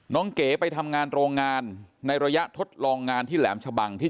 เก๋ไปทำงานโรงงานในระยะทดลองงานที่แหลมชะบังที่